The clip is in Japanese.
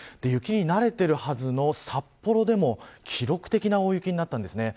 雪に慣れているはずの札幌でも記録的な大雪になりました。